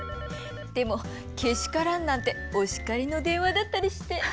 でも「けしからん」なんてお叱りの電話だったりして。